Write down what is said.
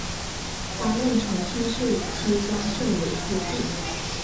担任重庆市綦江县委书记。